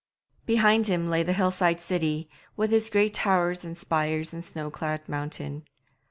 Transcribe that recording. Behind him lay the hill side city, with its grey towers and spires and snow clad mountain.